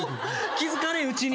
気付かれんうちに。